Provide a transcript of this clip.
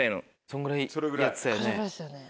そんぐらいやってたよね。